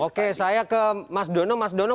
oke saya ke mas dono